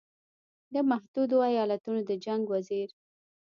د متحدو ایالتونو د جنګ وزیر